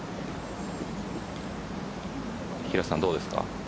平瀬さん、どうですか？